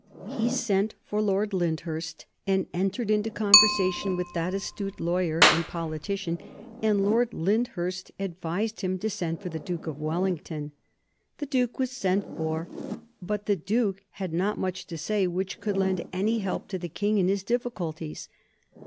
He sent for Lord Lyndhurst and entered into conversation with that astute lawyer and politician, and Lord Lyndhurst advised him to send for the Duke of Wellington. The Duke was sent for, but the Duke had not much to say which could lend any help to the King in his difficulties.